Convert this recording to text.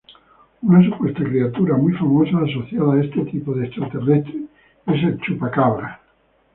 Una supuesta criatura muy famosa asociada a este tipo de extraterrestre, es el chupacabras.